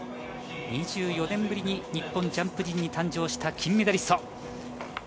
２４年ぶりに日本ジャンプ陣に誕生した金メダリスト。